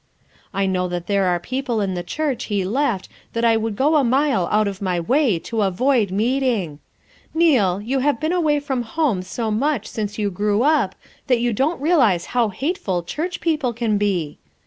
I know that there are people in the FOUR MOTHERS AT CHAUTAUQUA 33 church he left that I would go a mile out of my way to avoid meeting. Neal, you have been away from home so much since you grew up that you don't realize how hateful church people can be!